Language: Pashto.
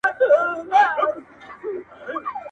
• ژوند پکي اور دی، آتشستان دی.